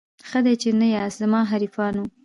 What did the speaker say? ښه دی چي نه یاست زما حریفانو